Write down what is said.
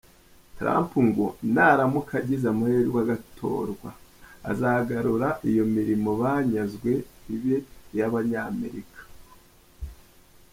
Trump ngo naramuka agize amahirwe agatorwa, azagarura iyo mirimo banyazwe ibe iy’Abanyamerika.